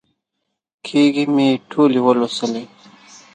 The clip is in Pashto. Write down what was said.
کېږې مې ټولې ولوسلې.